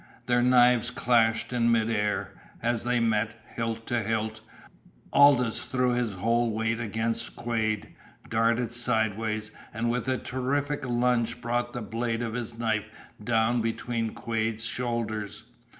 Their knives clashed in midair. As they met, hilt to hilt, Aldous threw his whole weight against Quade, darted sidewise, and with a terrific lunge brought the blade of his knife down between Quade's shoulders.